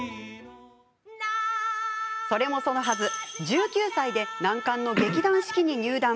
それもそのはず、１９歳で難関の劇団四季に入団。